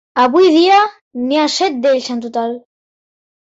Avui dia n'hi ha set d'ells en total.